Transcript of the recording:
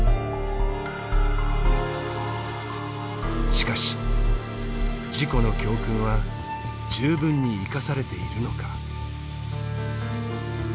しかし事故の教訓は十分に生かされているのか。